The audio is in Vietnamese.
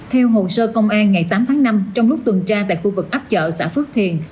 theo hồ sơ công an ngày tám tháng năm trong lúc tuần tra tại khu vực ấp chợ xã phước thiền